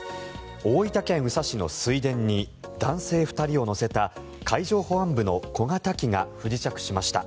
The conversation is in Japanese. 大分県宇佐市の水田に男性２人を乗せた海上保安部の小型機が不時着しました。